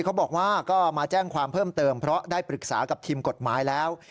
เขาบอกว่าก็มาแจ้งความเพิ่มเติมเพราะได้ปรึกษากับทีมกฎหมายแล้ว